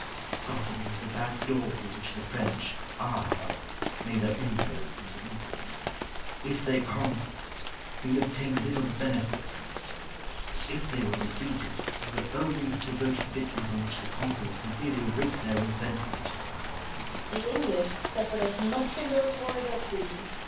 Scotland was a back door through which the French, with our help, made their inroads into England; if they conquered, we obtained little benefit from it; but if they were defeated, we were always the devoted victims on whom the conquerors severely wreaked their resentment. Douglas. The English suffered as much in those wars as we.